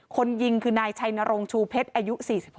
คนยิงคือนายชัยนรงชูเพชรอายุ๔๖